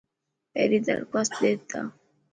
پهرين درخواست ڏي تا.